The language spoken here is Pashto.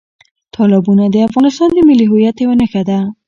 تالابونه د افغانستان د ملي هویت یوه نښه ده.